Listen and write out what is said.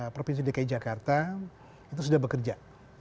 provinsi dki jakarta itu sudah bekerja